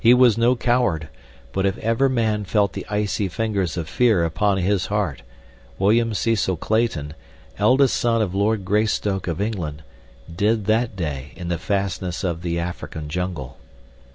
He was no coward; but if ever man felt the icy fingers of fear upon his heart, William Cecil Clayton, eldest son of Lord Greystoke of England, did that day in the fastness of the African jungle.